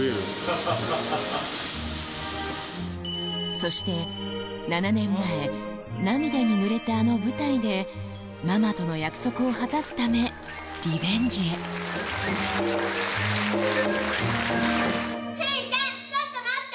そして７年前涙にぬれたあの舞台でママとの約束を果たすためリベンジへフミちゃんちょっと待って。